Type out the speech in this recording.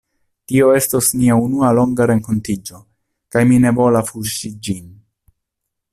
Tio estos nia unua longa renkontiĝo, kaj mi ne volas fuŝi ĝin.